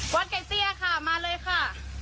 ไก่เตี้ยค่ะมาเลยค่ะ